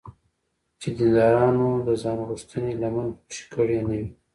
چې دیندارانو د ځانغوښتنې لمن خوشې کړې نه وي.